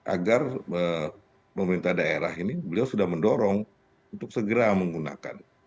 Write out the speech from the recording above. agar pemerintah daerah ini beliau sudah mendorong untuk segera menggunakan